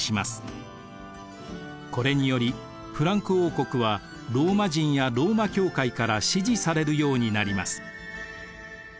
これによりフランク王国はローマ人やローマ教会から支持されるようになります。